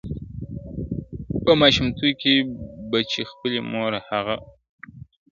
پۀ ماسومتوب كې بۀ چي خپلې مور هغه وهله,